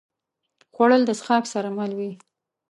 خوړل د څښاک سره مل وي